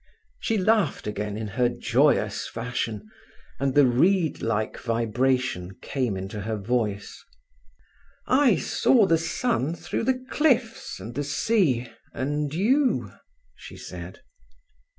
She laughed again in her joyous fashion, and the reed like vibration came into her voice. "I saw the sun through the cliffs, and the sea, and you," she said.